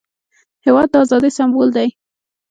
هېواد د ازادۍ سمبول دی.